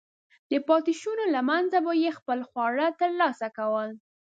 د پاتېشونو له منځه به یې خپل خواړه ترلاسه کول.